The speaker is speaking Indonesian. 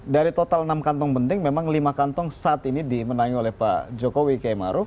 dari total enam kantong penting memang lima kantong saat ini dimenangi oleh pak jokowi k maruf